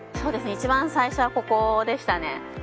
一番最初はここでしたね